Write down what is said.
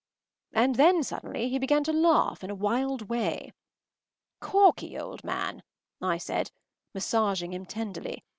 And then suddenly he began to laugh in a wild way. “Corky, old man!” I said, massaging him tenderly.